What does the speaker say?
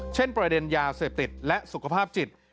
เช่นประเด็นยาเสพติดและสุขภาพจิต